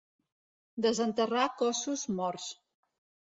Desenterrar cossos morts.